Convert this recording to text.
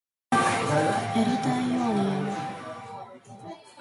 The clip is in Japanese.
やりたいようにやる